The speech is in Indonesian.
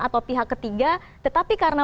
atau pihak ketiga tetapi karena